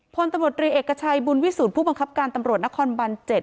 พลตะโบรตรีเอกกระชัยบุญวิสูจน์ผู้บังคับการตำรวจนครบันเจ็ด